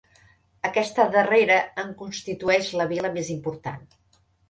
Aquesta darrera en constitueix la vila més important.